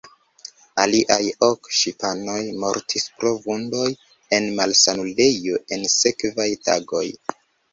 Aliaj ok ŝipanoj mortis pro vundoj en malsanulejo en sekvaj tagoj.